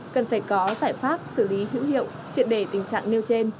cần phải có giải pháp xử lý hữu hiệu triệt để tình trạng nêu trên